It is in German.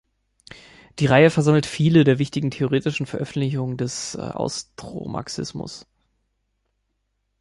Die Reihe versammelt viele der wichtigsten theoretischen Veröffentlichungen des Austromarxismus.